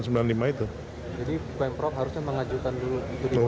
jadi pemprov harusnya mengajukan dulu